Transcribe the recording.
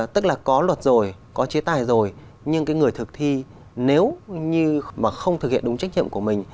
tức là có luật rồi có chế tài rồi nhưng cái người thực thi nếu như mà không thực hiện đúng trách nhiệm của mình